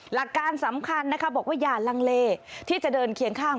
หลักการสำคัญนะคะบอกว่าอย่าลังเลที่จะเดินเคียงข้าง